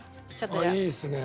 いいっすね。